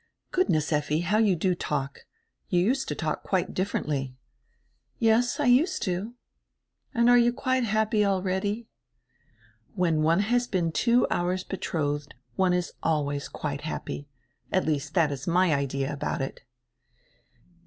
"Goodness, Effi, how you do talk! You used to talk quite differendy." "Yes, I used to." "And are you quite happy already?" "When one has been two hours betrodied, one is always quite happy. At least, diat is my idea about it."